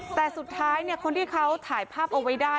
แต่สุดท้ายคนที่เขาถ่ายภาพเอาไว้ได้